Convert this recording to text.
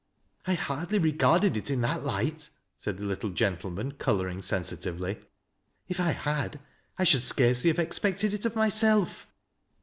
" I hardly regarded it in that light," said the little gen tleman, coloring sensitively. " If I had, I should scarcely have expected it of myself."